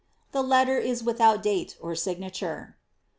'^ The letter is without date or signature.